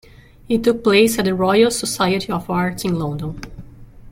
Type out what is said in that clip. It took place at the Royal Society of Arts in London.